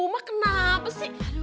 aduh mah kenapa sih